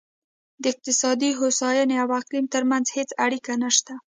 د اقتصادي هوساینې او اقلیم ترمنځ هېڅ اړیکه نشته.